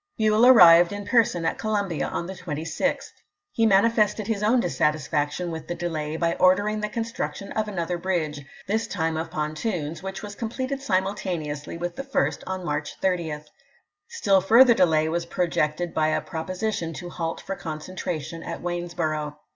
Buell arrived in ^'^iCio!" person at Columbia on the 26th. He manifested his own dissatisfaction with the delay by ordering the construction of another bridge, this time of pontoons, which was completed simultaneously with the first on March 30. Still further delay was projected by a proposition to halt for concentration at Waynesborough.